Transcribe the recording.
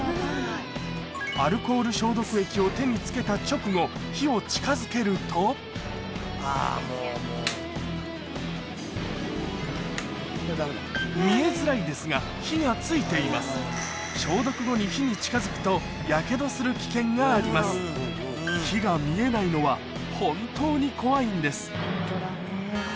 アルコール消毒液を手に付けた直後火を近づけると見えづらいですが火が付いています火が見えないのは本当に怖いんです